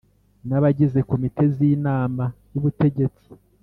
N abagize komite z inama y ubutegetsi